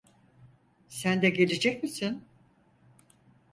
Sen de gelecek misin?